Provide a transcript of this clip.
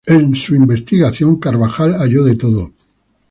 En su investigación, Carvajal halló de todo.